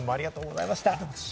皆さんも、ありがとうございました。